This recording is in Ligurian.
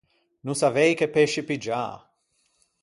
No savei che pesci piggiâ.